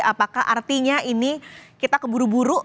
apakah artinya ini kita keburu buru